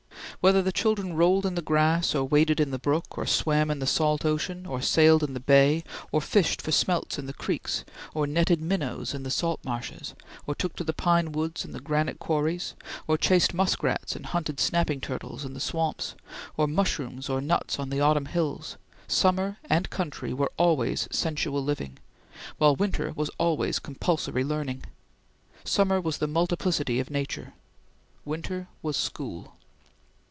Whether the children rolled in the grass, or waded in the brook, or swam in the salt ocean, or sailed in the bay, or fished for smelts in the creeks, or netted minnows in the salt marshes, or took to the pine woods and the granite quarries, or chased muskrats and hunted snapping turtles in the swamps, or mushrooms or nuts on the autumn hills, summer and country were always sensual living, while winter was always compulsory learning. Summer was the multiplicity of nature; winter was school.